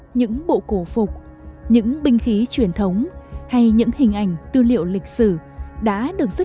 những bộ cổ phục những binh khí truyền thống hay những hình ảnh tư liệu lịch sử đã được rất